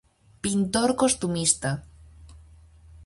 Pintor costumista.